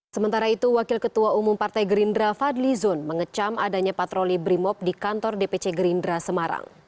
sementara itu wakil ketua umum partai gerindra fadli zon mengecam adanya patroli brimob di kantor dpc gerindra semarang